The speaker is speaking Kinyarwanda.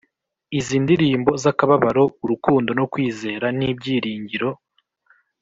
izi ndirimbo z'akababaro, urukundo, no kwizera, n'ibyiringiro?